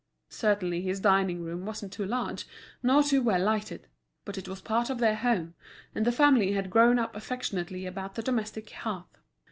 Certainly his dining room wasn't too large nor too well lighted; but it was part of their home, and the family had grown up affectionately about the domestic hearth.